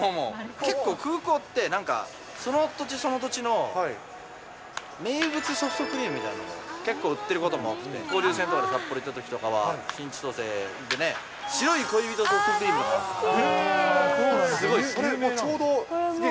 結構空港って、なんかその土地その土地の、名物ソフトクリームみたいなのを結構売ってることもあって、交流戦とかで札幌行ったときとかは、新千歳行ってね、白い恋人ソフトクリームって、すごい好き。